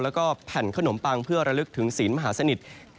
และแผ่นขนมปังเพื่อระลึกถึงศีลมหาศนิษฐ์